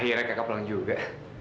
akhirnya kakak pulang juga